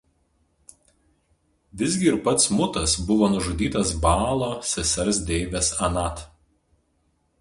Visgi ir pats Mutas buvo nužudytas Baalo sesers deivės Anat.